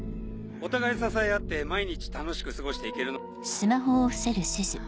お互い支え合って毎日楽しく過ごして行ける。ハァ。